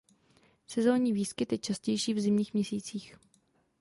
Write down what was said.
Sezónní výskyt je častější v zimních měsících.